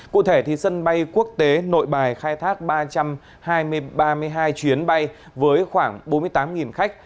cụ thể sân bay quốc tế nội bài khai thác ba trăm ba mươi hai chuyến bay với khoảng bốn mươi tám khách